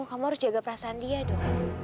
kamu harus jaga perasaan dia dong